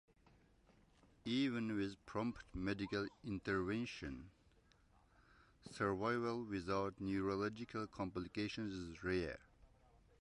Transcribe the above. Even with prompt medical intervention, survival without neurological complications is rare.